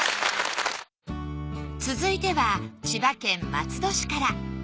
続いては千葉県松戸市から。